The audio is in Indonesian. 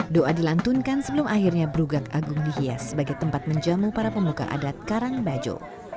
doa dilantunkan sebelum akhirnya brugak agung dihias sebagai tempat menjamu para pemuka adat karangbajo